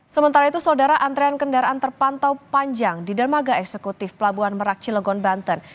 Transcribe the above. sementara itu saudara antrean kendaraan terpantau panjang di dermaga eksekutif pelabuhan merak cilegon banten